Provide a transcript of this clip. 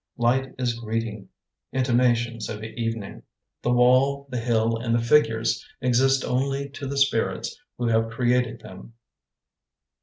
Light is greeting intimations of evening. The wall, the hill, and the figures exist only to the spirits who have created them.